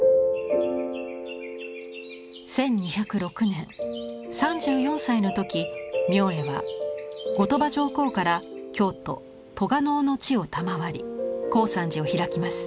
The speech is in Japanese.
１２０６年３４歳の時明恵は後鳥羽上皇から京都・栂尾の地を賜り高山寺を開きます。